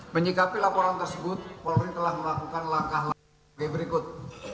menyikapi laporan tersebut polri telah melakukan langkah langkah berikut